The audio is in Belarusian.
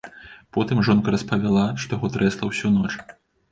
Потым жонка распавяла, што яго трэсла ўсю ноч.